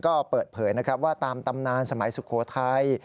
ก็เปิดเผยนะครับว่าตามตำนานสมัยสุโขทัย